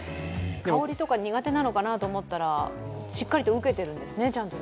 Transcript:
香りとか苦手なのかなと思ったら、しっかり受けているんですね。